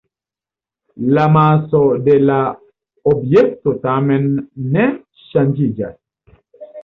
La maso de la objekto tamen ne ŝanĝiĝas.